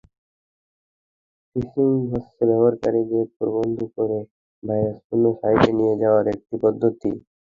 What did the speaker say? Fishing হচ্ছে ব্যবহারকারীকে প্রলুব্ধ করে ভাইরাসপূর্ণ সাইটে নিয়ে যাওয়ার একটি পদ্ধতি।